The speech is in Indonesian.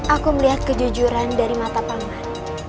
aku melihat kejujuran dari mata paman